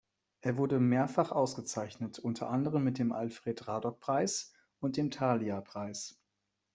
Er wurde mehrfach ausgezeichnet, unter anderem mit dem Alfred-Radok-Preis und dem Thalia-Preis.